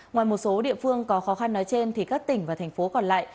ngoài một số địa phương có khó khăn nói trên thì các tỉnh và thành phố còn lại